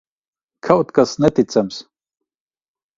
Kaut kas neticams!